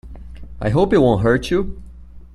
I hope it won't hurt you.